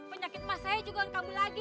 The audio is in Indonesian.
penyakit emas saya juga gak sembuh lagi